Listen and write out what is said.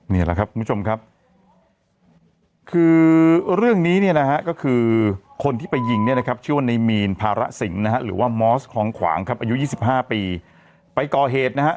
นี่แหละครับคุณผู้ชมครับคือเรื่องนี้เนี่ยนะฮะก็คือคนที่ไปยิงเนี่ยนะครับชื่อว่าในมีนภาระสิงห์นะฮะหรือว่ามอสคลองขวางครับอายุ๒๕ปีไปก่อเหตุนะฮะ